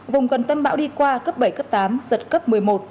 vùng gần tâm bão đi qua cấp bảy cấp tám giật cấp một mươi một